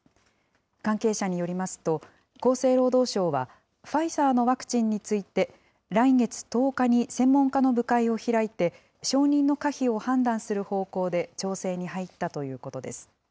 関係者によりますと、厚生労働省はファイザーのワクチンについて、来月１０日に専門家の部会を開いて、承認の可否を判断する方向で調整に入ったということです。